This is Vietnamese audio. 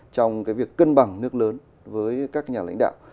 trong cái việc cân bằng nước lớn với các nhà lãnh đạo